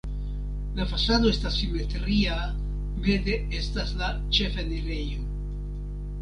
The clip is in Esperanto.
La fasado estas simetria, meze estas la ĉefenirejo.